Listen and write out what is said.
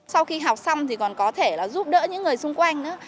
sau khi học xong thì còn có thể là giúp đỡ những người xung quanh nữa